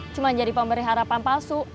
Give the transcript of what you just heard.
cuma jadi pemberi harapan palsu